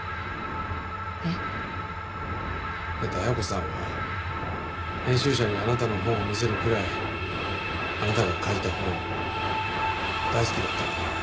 えっ？だって恵子さんは編集者にあなたの本を見せるくらいあなたが書いた本大好きだったんだから。